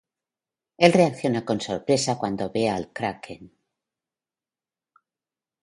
Él reacciona con sorpresa cuando ve a el Kraken.